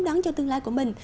đắn cho tương lai của mình